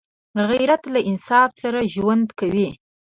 غیرت له انصاف سره ژوند کوي